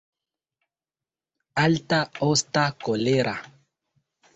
Alta, osta, kolera.